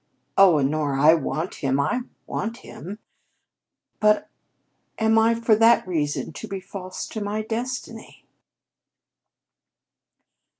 Oh, Honora, I want him, I want him! But am I for that reason to be false to my destiny?"